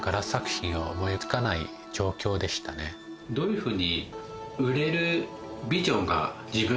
どういうふうに。